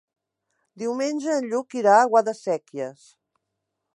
Diumenge en Lluc irà a Guadasséquies.